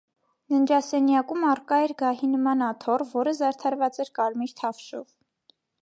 Ննջասենյակում առկա էր գահի նման աթոռ, որն զարդարված էր կարմիր թավշով։